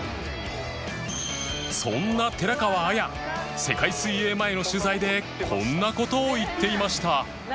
そんな寺川綾世界水泳前の取材でこんな事を言っていました